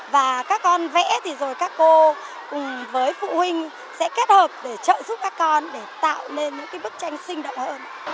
và các con vẽ thì rồi các cô cùng với phụ huynh sẽ kết hợp để trợ giúp các con để tạo nên những bức tranh sinh động hơn